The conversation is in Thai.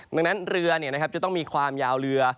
ดังนั้นเรือจะต้องมีความยาวเรือ